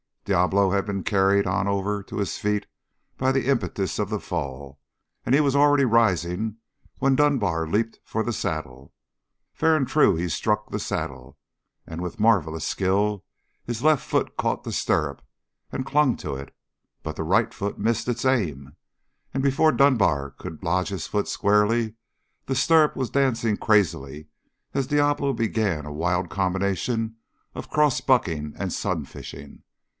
Diablo had been carried on over to his feet by the impetus of the fall, and he was already rising when Dunbar leaped for the saddle. Fair and true he struck the saddle and with marvelous skill his left foot caught the stirrup and clung to it but the right foot missed its aim, and, before Dunbar could lodge his foot squarely, the stirrup was dancing crazily as Diablo began a wild combination of cross bucking and sunfishing.